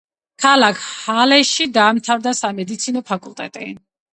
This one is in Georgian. ქალაქ ჰალეში დაამთავრა სამედიცინო ფაკულტეტი.